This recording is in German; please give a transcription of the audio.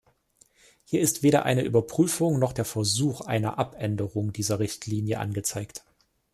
Hier ist weder eine Überprüfung noch der Versuch einer Abänderung dieser Richtlinie angezeigt.